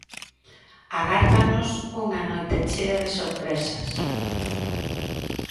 Agárdanos unha noite chea de sorpresas.